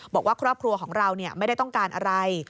บอกว่าครอบครัวของเราไม่ได้ต้องการอะไร